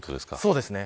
そうですね。